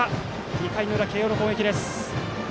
２回の裏、慶応の攻撃です。